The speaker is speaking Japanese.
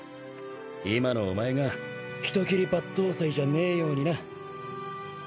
今のお前が人斬り抜刀斎じゃねえようにな。